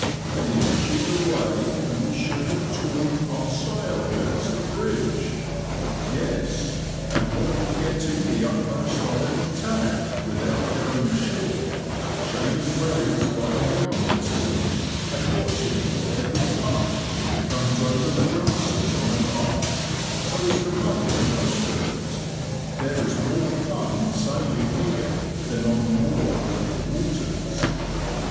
An inch either way, and we should have torn our sail against the bridge." "Yes, and what with getting the utmost on every tack, without going ashore, shaving wherries by a yard or two, and watching for every puff as it comes over the grasses on the marsh, so as to make the most of it, there is more fun in sailing here than on more open waters."